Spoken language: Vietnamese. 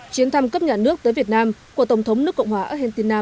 chuyến thăm cấp nhà nước tới việt nam của tổng thống nước cộng hòa argentina